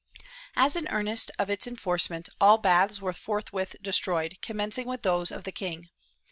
As an earnest of its enforcement, all baths were forthwith destroyed, commencing with those of the king.